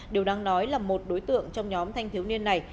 điều đang nói là một đối tượng trong nhóm thanh thiếu niên này